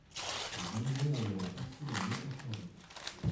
Le donjon en est la partie la mieux conservée.